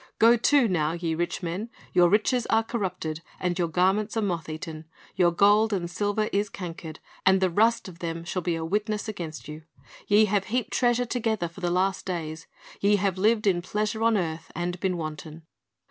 "Go to now, ye rich men, your riches are corrupted, and your garments are motheaten. Your gold and silver is cankered, and the rust of them shall be a witness against you. ... Ye have heaped treasure together for the last days." "Ye have lived in pleasure on the earth, and been wanton."